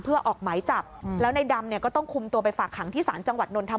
เพื่อออกหมายจับแล้วในดำเนี่ยก็ต้องคุมตัวไปฝากขังที่ศาลจังหวัดนนทั